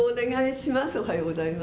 おはようございます。